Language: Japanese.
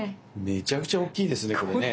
めちゃくちゃ大きいですねこれね。